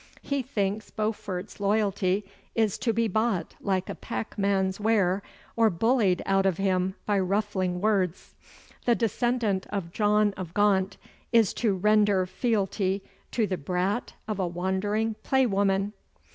He thinks Beaufort's loyalty is to be bought like a packman's ware, or bullied out of him by ruffling words. The descendant of John of Gaunt is to render fealty to the brat of a wandering playwoman!